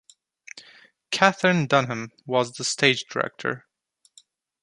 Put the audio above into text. Katherine Dunham was stage director.